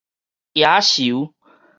蝶仔泅